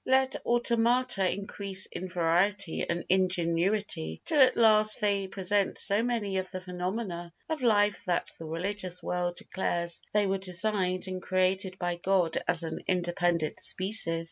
Let automata increase in variety and ingenuity till at last they present so many of the phenomena of life that the religious world declares they were designed and created by God as an independent species.